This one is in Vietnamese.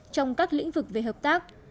trong các lĩnh vực về hợp tác